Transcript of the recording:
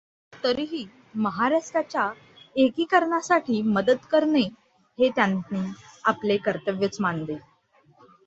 तरीही महाराष्ट्राच्या एकीकरणासाठी मदत करणे हे त्यांनी आपले कर्तव्यच मानले.